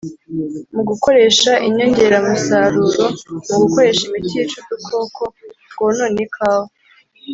mu gukoresha inyongeramusaruro, mu gukoresha imiti yica udukoko twonona ikawa,